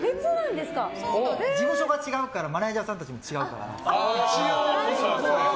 事務所が違うからマネジャーさんたちも違う。